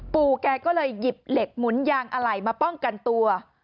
แกก็เลยหยิบเหล็กหมุนยางอะไหล่มาป้องกันตัว